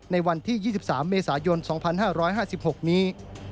ในวันที่๒๓เมษายน๒๕๕๖นี้